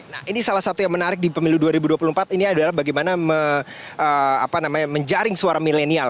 nah ini salah satu yang menarik di pemilu dua ribu dua puluh empat ini adalah bagaimana menjaring suara milenial